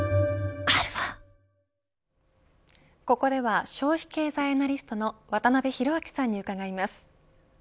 ここでは消費経済アナリストの渡辺広明さんに伺います。